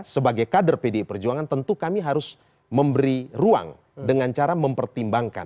sebagai kader pdi perjuangan tentu kami harus memberi ruang dengan cara mempertimbangkan